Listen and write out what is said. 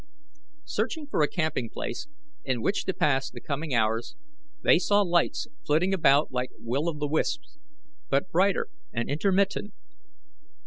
Searching for a camping place in which to pass the coming hours, they saw lights flitting about like will o' the wisps, but brighter and intermittent.